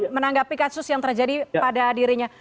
menanggapi kasus yang terjadi pada dirinya